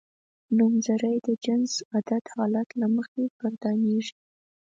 نومځری د جنس عدد حالت له مخې ګردانیږي.